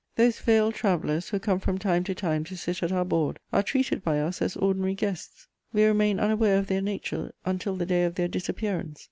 Those veiled travellers, who come from time to time to sit at our board, are treated by us as ordinary guests; we remain unaware of their nature until the day of their disappearance.